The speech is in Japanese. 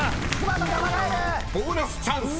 ［ボーナスチャンス！］